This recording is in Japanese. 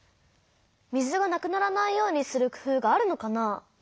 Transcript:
水がなくならないようにするくふうがあるのかな？